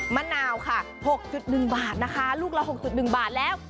มะนาวค่ะ๖๑บาทลูกเรา๖๑บาทแล้ว